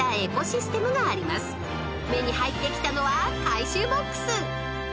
［目に入ってきたのは回収ボックス］